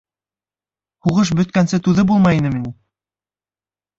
Һуғыш бөткәнсе түҙеп булмай инеме ни?